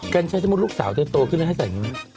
กันใช้เชิงมุดลูกสาวตัวโตขึ้นแล้วให้ใส่เงิน